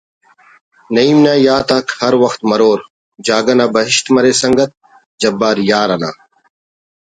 نعیم نا یات آک ہر وخت مرور جاگہ نا بہشت مرے سنگت جبار یار نا